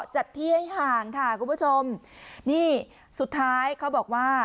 จัดที่ให้ห่างค่ะคุณผู้ชมนี่สุดท้ายเขาบอกว่า